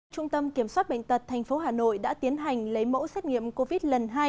trung tâm kiểm soát bệnh tật tp hà nội đã tiến hành lấy mẫu xét nghiệm covid một mươi chín lần hai